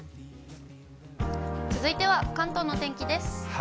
続いては関東のお天気です。